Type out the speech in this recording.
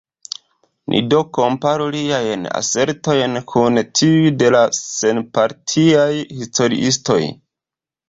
Ni do komparu liajn asertojn kun tiuj de la senpartiaj historiistoj.